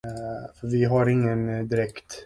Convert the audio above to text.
Posten har inte kommit ännu.